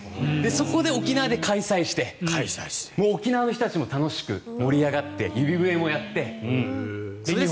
そこで沖縄で開催して沖縄の人たちも楽しく盛り上がって指笛もやって。